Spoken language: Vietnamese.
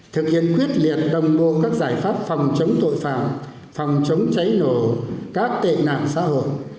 thực hiện quyết liệt đồng bộ các giải pháp phòng chống tội phạm phòng chống cháy nổ các tệ nạn xã hội